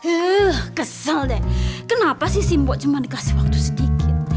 eh kesel deh kenapa sih simbok cuma dikasih waktu sedikit